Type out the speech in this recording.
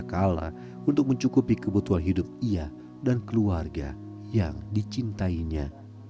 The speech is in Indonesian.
tapi sedia kalah untuk mencukupi kebutuhan hidup ia dan keluarga yang dicintainya